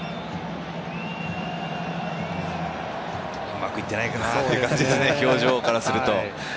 うまくいっていないかなという感じですね、表情からすると。